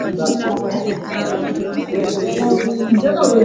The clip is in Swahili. dunia inaitambua isimila kama eneo muhimu la kihistoria